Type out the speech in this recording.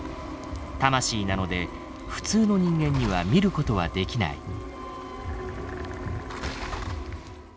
魂なので普通の人間には見ることはできない。